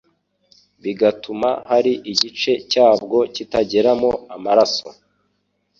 bigatuma hari igice cyabwo kitageramo amaraso.